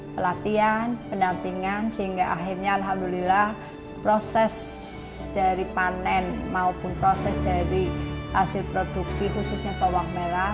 pelatihan pendampingan sehingga akhirnya alhamdulillah proses dari panen maupun proses dari hasil produksi khususnya bawang merah